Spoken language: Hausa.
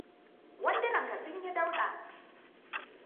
Wandunanka sun yi dauɗa.